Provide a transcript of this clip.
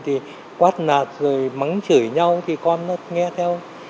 thì quát nạt rồi mắng chửi nhau thì con nó nghe theo